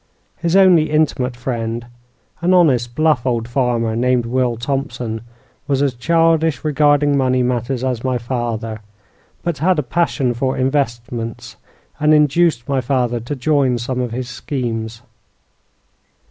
His only intimate friend an honest, bluff old farmer named Will Thompson was as childish regarding money matters as my father, but had a passion for investments, and induced my father to join some of his schemes.